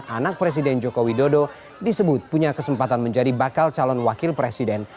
anak presiden joko widodo disebut punya kesempatan menjadi bakal calon wakil presiden